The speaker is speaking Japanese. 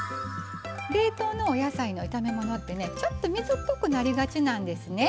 冷凍のお野菜の炒め物ってねちょっと水っぽくなりがちなんですね。